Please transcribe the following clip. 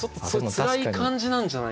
つらい感じなんじゃないなかと。